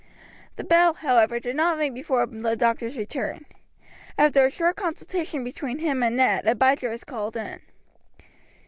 The bell, however, did not ring before the doctor's return. After a short consultation between him and Ned, Abijah was called in.